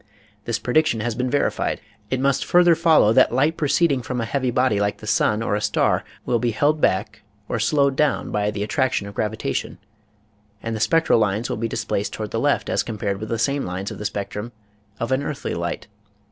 This prediction has been verified. It must further follow that light proceeding from a heavy body like the sun or a star will be held back or slowed up by the attraction of gravitation, and the spectral lines will be displaced toward the left as compared with the same lines in the spectrum of an earthly light.